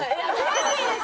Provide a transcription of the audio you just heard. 悔しいです。